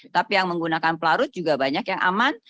tapi yang menggunakan pelarut juga banyak yang aman